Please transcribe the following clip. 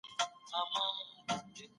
دا ګِرام دئ.